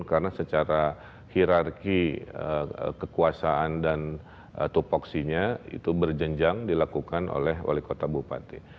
karena secara hirarki kekuasaan dan topoksinya itu berjenjang dilakukan oleh wali kota bupati